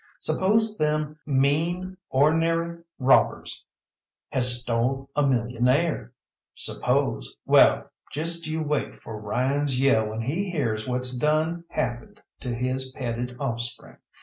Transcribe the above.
Suppose them mean, or'nary robbers has stole a millionaire? Suppose well, just you wait for Ryan's yell when he hears what's done happened to his petted offspring.